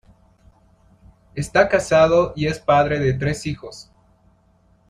Esta casado y es padre de tres hijos.